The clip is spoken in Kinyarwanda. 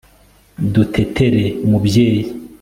dutetere umubyeyi